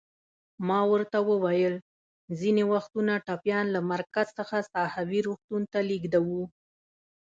ما ورته وویل: ځینې وختونه ټپیان له مرکز څخه ساحوي روغتون ته لېږدوو.